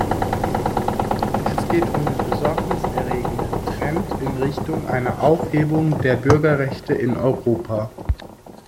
Es geht um den besorgniserregenden Trend in Richtung einer Aufhebung der Bürgerrechte in Europa.